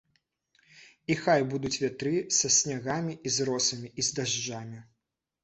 І хай будуць вятры са снягамі і з росамі, і з дажджамі!